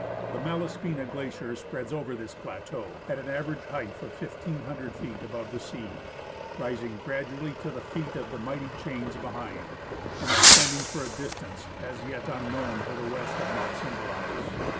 The Malaspina Glacier spreads over this plateau, at an average height of 1,500 feet above the sea, rising gradually to the feet of the mighty chains behind, and extending for a distance, as yet un known, to the west of Mount St. Elias.